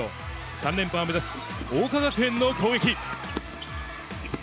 ３連覇を目指す桜花学園の攻撃。